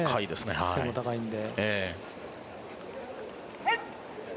背も高いので。